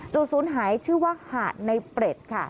ศูนย์หายชื่อว่าหาดในเปร็ดค่ะ